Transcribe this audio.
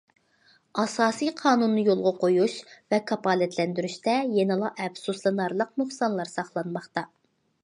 ئاساسىي قانۇننى يولغا قويۇش ۋە كاپالەتلەندۈرۈشتە يەنىلا ئەپسۇسلىنارلىق نۇقسانلار ساقلانماقتا.